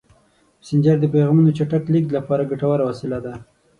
مسېنجر د پیغامونو د چټک لیږد لپاره ډېره ګټوره وسیله ده.